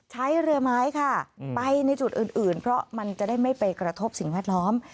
ใช้เรือไม้ค่ะไปในจุดอื่นเพราะมันจะได้ไม่ไปกระทบสิ่งแวดล้อม